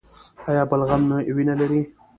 ایا بلغم مو وینه لري؟